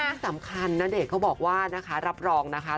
แล้วที่สำคัญนาเดชน์ก็บอกว่านะคะรับรองนะคะ